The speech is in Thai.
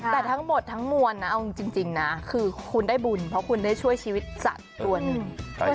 แต่ทั้งหมดทั้งมวลนะเอาจริงนะคือคุณได้บุญเพราะคุณได้ช่วยชีวิตสัตว์ตัวหนึ่ง